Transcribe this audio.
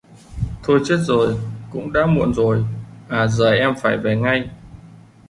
Thôi chết rồi cũng đã muộn rồi à giờ em phải về ngay